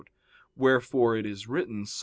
Wherefore it is written (Ps.